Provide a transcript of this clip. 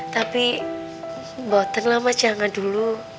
tapi boten lah mas jangan dulu